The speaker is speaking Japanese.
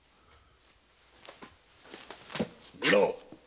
見ろ！